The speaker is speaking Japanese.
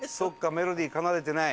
メロディー奏でてない？